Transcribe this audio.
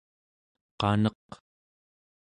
qaneq